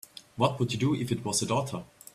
What would you do if it was a daughter?